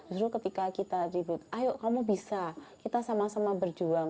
justru ketika kita ribut ayo kamu bisa kita sama sama berjuang